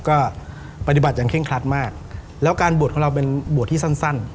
ก็ปฏิบัติอย่างเร่งครัดมากแล้วการบวชของเราเป็นบวชที่สั้นสั้น